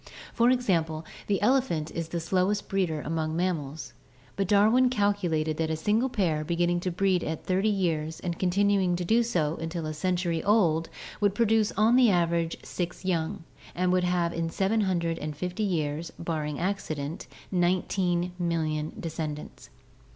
For example, the elephant is the slowest breeder among mammals, but Darwin calculated that a single pair beginning to breed at thirty years and continuing to do so until a century old would produce on the average six young and would have in 750 years, barring accident, nineteen millions of descendants.